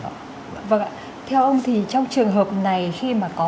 vâng ạ theo ông thì trong trường hợp này khi mà có